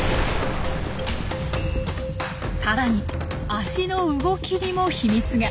さらに足の動きにも秘密が！